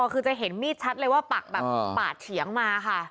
คือจะเห็นมีดชัดเลยว่าปักแบบปาดเฉียงมาค่ะ